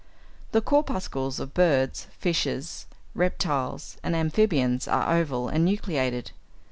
The corpuscles of birds, fishes, reptiles, and amphibians, are oval and nucleated.